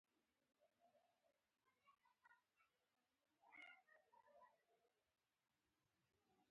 نن موږ د کیمیا د علم په اړه لومړنی درس پیلوو